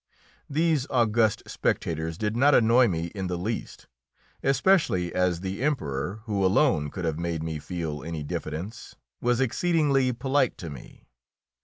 These august spectators did not annoy me in the least, especially as the Emperor, who alone could have made me feel any diffidence, was exceedingly polite to me.